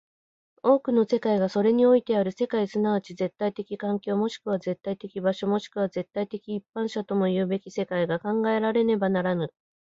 多くの世界がそれにおいてある世界即ち絶対的環境、もしくは絶対的場所、もしくは絶対的一般者ともいうべき世界が考えられねばならぬ。